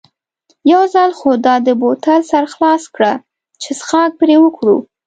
یو ځل خو دا د بوتل سر خلاص کړه چې څښاک پرې وکړو.